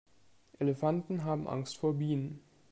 Elefanten haben Angst vor Bienen.